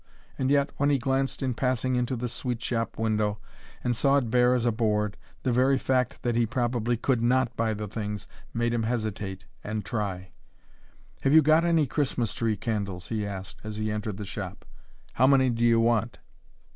And yet, when he glanced in passing into the sweet shop window, and saw it bare as a board, the very fact that he probably could not buy the things made him hesitate, and try. "Have you got any Christmas tree candles?" he asked as he entered the shop. "How many do you want?"